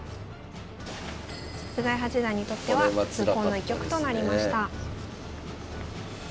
菅井八段にとっては痛恨の一局となりました。